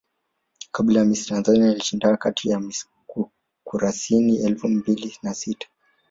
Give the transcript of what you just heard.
Kabla ya Miss Tanzania alishindana katika Miss Kurasini elfu mbili na sita